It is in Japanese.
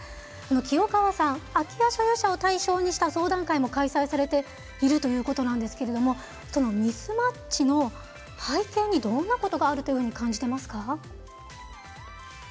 清川さん、空き家所有者を対象にした相談会も開催されているということなんですがそのミスマッチの背景にどんなことがあると感じていますか？